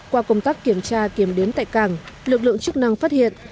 qua công tác kiểm tra kiểm đếm tại cảng lực lượng chức năng phát hiện